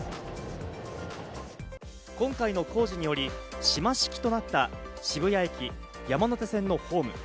今回の工事により島式となった渋谷駅、山手線のホーム。